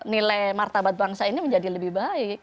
nilai martabat bangsa ini menjadi lebih baik